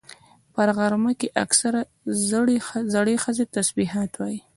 په غرمه کې اکثره زړې ښځې تسبيحات وایي